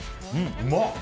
うまっ！